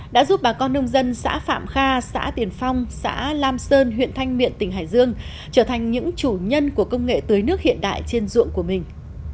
đã giúp bà con nông dân xã phạm kha xã tiền phong xã lam sơn huyện thanh miện tỉnh hải dương trở thành những chủ nhân của công nghệ tưới nước hiện đại trên ruộng của mình